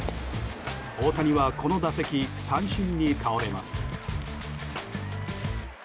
大谷は、この打席三振に倒れます。